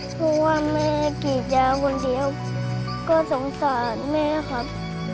เพราะว่าแม่กรีดยาคนเดียวก็สงสารแม่ครับ